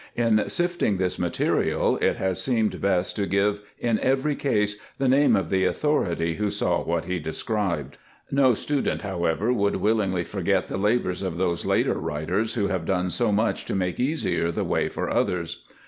In sifting this material, it has seemed best to give in every case the name of the authority who saw what he described. No student, however, would willingly forget the labors of those later writers who have done so much to make easier the way for others.